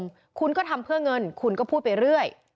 และคุณทำทั้งเงินคุณก็พูดไปเรื่อย